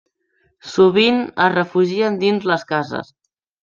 Sovint es refugien dins les cases.